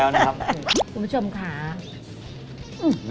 คุณผู้ชมค่ะ